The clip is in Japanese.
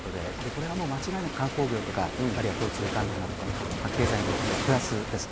これはもう間違いなく観光業とか、あるいは交通関連だとか、経済にとってはプラスです。